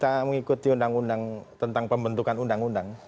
kita mengikuti undang undang tentang pembentukan undang undang